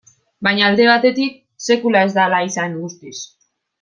Baina alde batetik, sekula ez da hala izan guztiz.